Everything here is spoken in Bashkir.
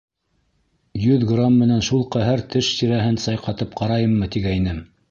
— Йөҙ грамм менән шул ҡәһәр теш тирәһен сайҡатып ҡарайыммы тигәйнем.